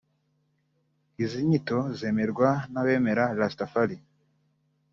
Izi nyito zemerwa n’abemera Rastafari